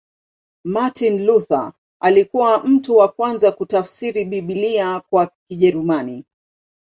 Martin Luther alikuwa mtu wa kwanza kutafsiri Biblia kwa Kijerumani.